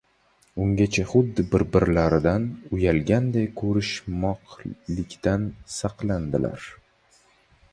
Ungacha xuddi bir-birlaridan uyalganday ko‘rishmoqlikdan saqlanadilar.